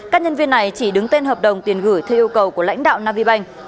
các nhân viên này chỉ đứng tên hợp đồng tiền gửi theo yêu cầu của lãnh đạo navibank